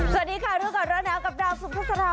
สวัสดีค่ะร้อนน้ำกับดาวสุภาษณา